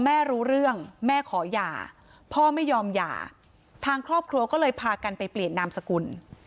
รู้เรื่องแม่ขอหย่าพ่อไม่ยอมหย่าทางครอบครัวก็เลยพากันไปเปลี่ยนนามสกุล